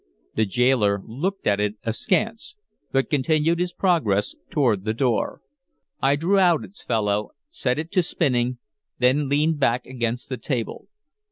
The gaoler looked at it askance, but continued his progress toward the door. I drew out its fellow, set it too to spinning, then leaned back against the table.